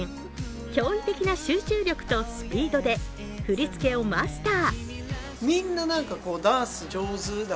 驚異的な集中力とスピードで振り付けをマスター。